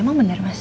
emang bener mas